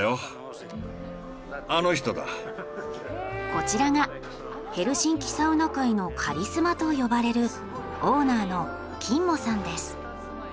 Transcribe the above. こちらがヘルシンキサウナ界のカリスマと呼ばれるオーナーのキンモさんです。